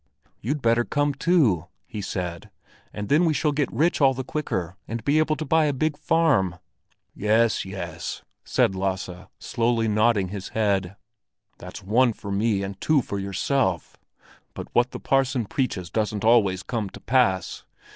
"You'd better come too," he said, "and then we shall get rich all the quicker and be able to buy a big farm." "Yes, yes," said Lasse, slowly nodding his head; "that's one for me and two for yourself! But what the parson preaches doesn't always come to pass.